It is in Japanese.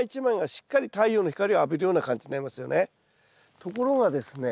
ところがですね